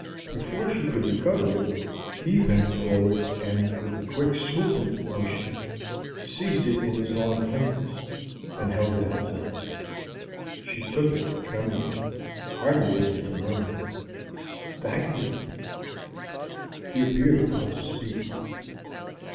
Before she could recover it, he bent forward with a quick swooping motion, seized it in his long fingers, and held it out to her. She took it trembling, hardly able to murmur, "Thank you." He appeared about to speak.